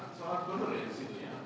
kalau usulan dari pemerintah